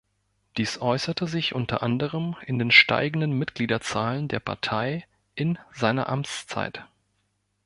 Dies äußerte sich unter anderem in den steigenden Mitgliederzahlen der Partei in seiner Amtszeit.